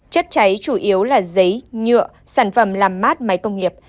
chất cháy chủ yếu là giấy nhựa sản phẩm làm mát máy công nghiệp